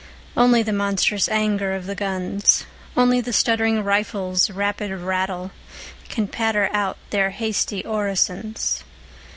Only the monstrous anger of the guns. Only the stuttering rifles' rapid rattle Can patter out their hasty orisons.